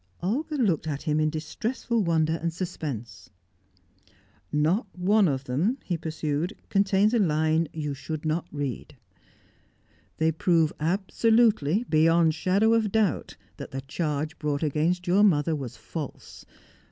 Olga looked at him in distressful wonder and suspense. "Not one of them," he pursued, "contains a line that you should not read. They prove absolutely, beyond shadow of doubt, that the charge brought against your mother was false.